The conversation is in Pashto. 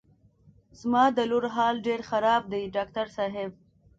زما د لور حال ډېر خراب دی ډاکټر صاحب.